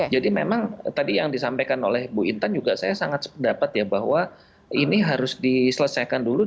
jadi memang tadi yang disampaikan oleh bu intan juga saya sangat sependapat ya bahwa ini harus diselesaikan dulu